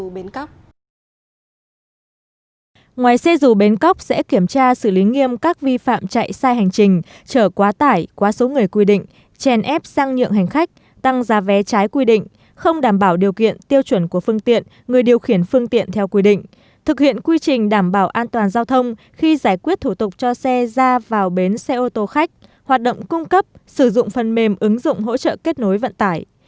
bến cóc sẽ kiểm tra xử lý nghiêm các vi phạm chạy sai hành trình trở quá tải quá số người quy định chèn ép sang nhượng hành khách tăng giá vé trái quy định không đảm bảo điều kiện tiêu chuẩn của phương tiện người điều khiển phương tiện theo quy định thực hiện quy trình đảm bảo an toàn giao thông khi giải quyết thủ tục cho xe ra vào bến xe ô tô khách hoạt động cung cấp sử dụng phần mềm ứng dụng hỗ trợ kết nối vận tải